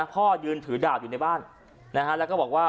พ่อยืนถือดาบอยู่ในบ้านนะฮะแล้วก็บอกว่า